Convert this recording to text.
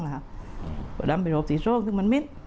ก็ไปรวบที่โซ่งที่มันเมฆ